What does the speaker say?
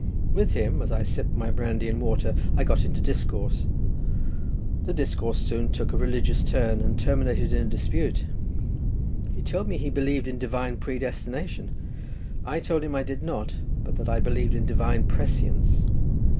With him, as I sipped my brandy and water, I got into discourse. The discourse soon took a religious turn, and terminated in a dispute. He told me he believed in Divine predestination; I told him I did not, but that I believed in divine prescience.